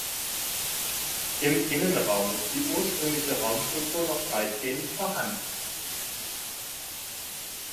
Im Innenraum ist die ursprüngliche Raumstruktur noch weitgehend vorhanden.